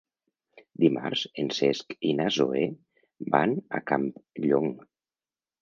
Dimarts en Cesc i na Zoè van a Campllong.